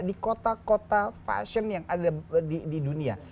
di kota kota fashion yang ada di dunia